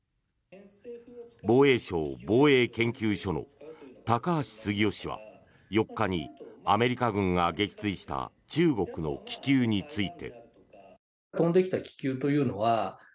防衛省防衛研究所の高橋杉雄氏は４日にアメリカ軍が撃墜した中国の気球について。